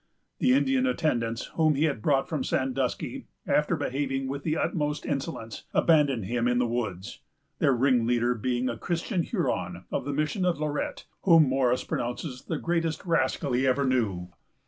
The Indian attendants, whom he had brought from Sandusky, after behaving with the utmost insolence, abandoned him in the woods; their ringleader being a Christian Huron, of the Mission of Lorette, whom Morris pronounces the greatest rascal he ever knew.